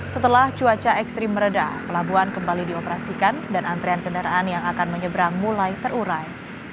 setelah cuaca ekstrim meredah pelabuhan kembali dioperasikan dan antrean kendaraan yang akan menyeberang mulai terurai